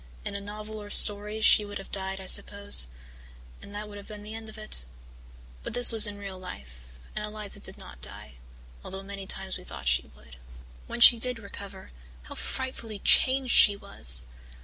In a novel or story she would have died, I suppose, and that would have been the end of it. But this was in real life, and Eliza did not die, although many times we thought she would. "When she did recover, how frightfully changed she was!